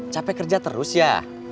capek kerja terus ya